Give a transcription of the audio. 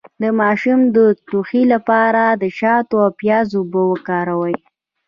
د ماشوم د ټوخي لپاره د شاتو او پیاز اوبه وکاروئ